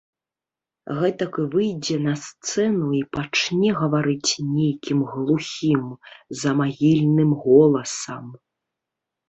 Гэтак і выйдзе на сцэну і пачне гаварыць нейкім глухім, замагільным голасам.